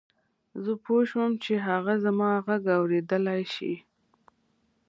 زه پوه شوم چې هغه زما غږ اورېدلای شي